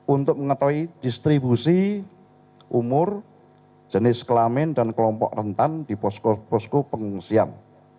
untuk mengetahui distribusi umur jenis kelamin dan kelompok rentan di posko posko pengungsian